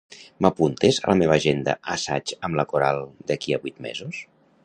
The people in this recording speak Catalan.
M'apuntes a la meva agenda "assaig amb la coral" d'aquí a vuit mesos?